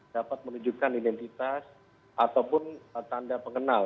dapat menunjukkan identitas ataupun tanda pengenal